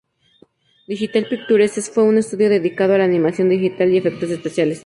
Digital Pictures fue un estudio dedicado a la animación digital y efectos especiales.